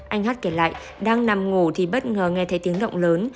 anh hát kể lại đang nằm ngủ thì bất ngờ nghe thấy tiếng động lớn